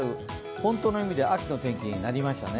本当の意味で秋の天気になりましたね。